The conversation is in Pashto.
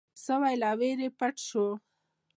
سوی له وېرې پټ شو.